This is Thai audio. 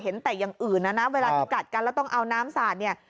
เห็นแต่อย่างอื่นนะนะเวลาที่กัดกันแล้วต้องเอาน้ำสาดเนี่ย